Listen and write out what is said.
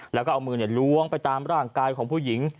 แล้วก็เอามือล้วงไปตามร่างกายของผู้หญิง